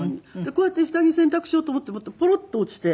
こうやって下着洗濯しようと思って持ったらポロッと落ちて。